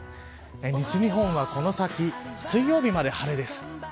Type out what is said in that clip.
西日本はこの先水曜日まで晴れです。